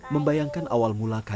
tetapi adiknya saki didengar fa